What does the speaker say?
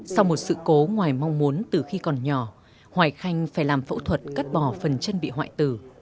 sau một sự cố ngoài mong muốn từ khi còn nhỏ hoài khanh phải làm phẫu thuật cắt bỏ phần chân bị hoại tử